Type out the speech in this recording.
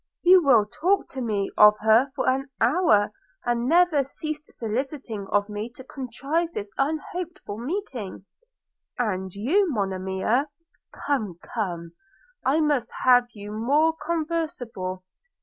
You who will talk to me of her for an hour, and never ceased soliciting of me to contrive this unhoped for meeting? – And you, Monimia! Come, come, I must have you more conversable.